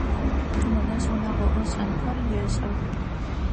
Нэнэжъ унэгъо ӏофшӏэнхэр ешӏэх.